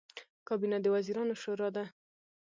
کابینه د وزیرانو شورا ده